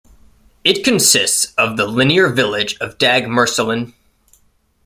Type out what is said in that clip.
It consists of the linear village of Dagmersellen.